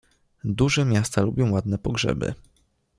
Duże miasta lubią ładne pogrzeby.